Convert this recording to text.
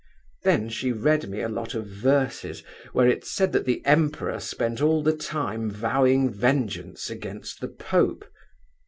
Then she read me a lot of verses, where it said that the Emperor spent all the time vowing vengeance against the Pope.